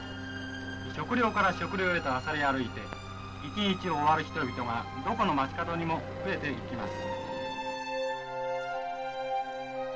食料から食料へとあさり歩いて一日を終わる人々がどこの街角にも増えていきます」。